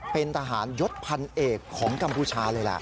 เป็นทหารยศพันเอกของกัมพูชาเลยล่ะ